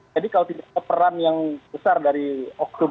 jadi kalau tidak ada peran yang besar dari oknum